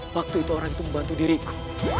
waktu itu orang itu membantu diriku